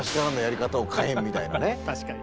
確かに。